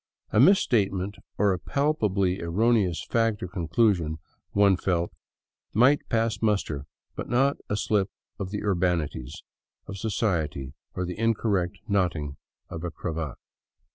A mis statement or a palpably erroneous fact or conclusion, one felt, might pass muster, but not a slip in the " urbanities " of society or the in correct knotting of a cravat.